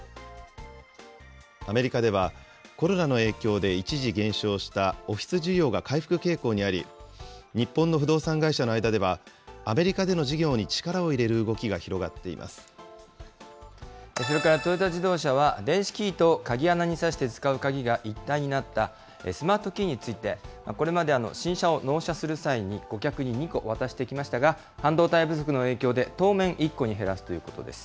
アメリカでは、コロナの影響で一時減少したオフィス需要が回復傾向にあり、日本の不動産会社の間では、アメリカでの事業に力を入れる動きが広がそれからトヨタ自動車は、電子キーと鍵穴に差して使う鍵が一体になったスマートキーについて、これまで新車を納車する際に、顧客に２個渡してきましたが、半導体不足の影響で、当面、１個に減らすということです。